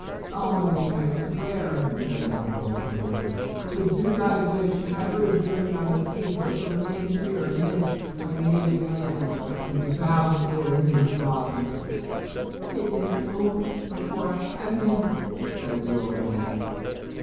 "Solemnly I swear," he said, in a broken voice, "to do thy wish never to journey on the sea, but to remain here in this, my native land. 'Tis a vow before thee, my father." "'Tis an oath before heaven," said the old man.